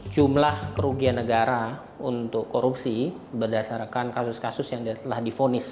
jumlah kerugian negara untuk korupsi berdasarkan kasus kasus yang telah difonis